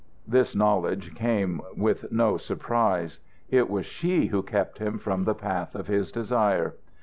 This knowledge came with no surprise. It was she who kept him from the path of his desire!